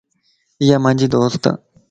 ايا مانجي دوست